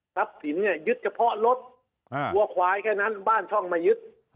สินเนี่ยยึดเฉพาะรถวัวควายแค่นั้นบ้านช่องมายึด